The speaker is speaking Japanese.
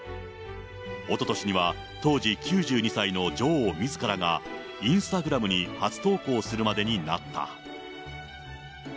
おととしには、当時９２歳の女王みずからが、インスタグラムに初投稿するまでになった。